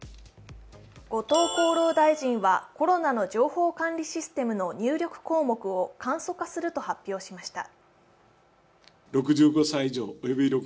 後藤厚労大臣はコロナの情報管理システムの入力項目を簡素化すると発表しました。